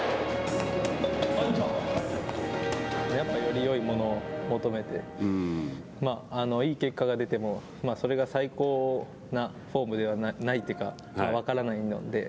やっぱりよりよいものを求めていい結果が出てもそれが最高なフォームではない、ないというか分からないので。